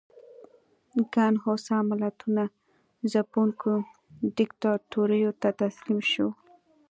ګڼ هوسا ملتونه ځپونکو دیکتاتوریو ته تسلیم شول.